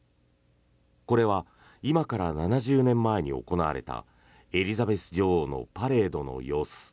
これは今から７０年前に行われたエリザベス女王のパレードの様子。